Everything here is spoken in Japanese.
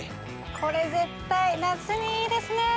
これ絶対夏にいいですね！